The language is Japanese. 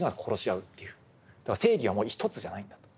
だから正義はもう一つじゃないんだと。